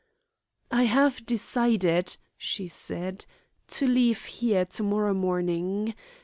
"I have decided," she said, "to leave here to morrow morning.